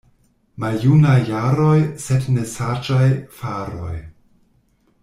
Maljunaj jaroj, sed ne saĝaj faroj.